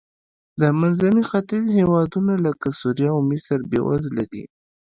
د منځني ختیځ هېوادونه لکه سوریه او مصر بېوزله دي.